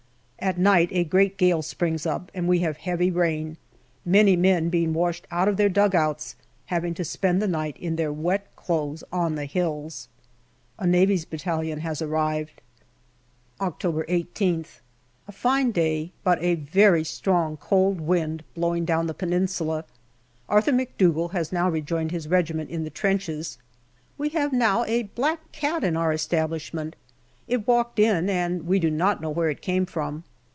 At night a great gale springs up, and we have heavy rain, many men being washed out of their dugouts, having to spend the night in their wet clothes on the hills. A navvy's battalion has arrived. October ISth. A fine day, but a very strong, cold wind blowing down the Peninsula. Arthur McDougall has now rejoined his regiment in the trenches. We have now a black cat in our establishment. It walked in, and we do not know where it came from.